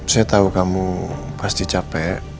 saya tahu kamu pasti capek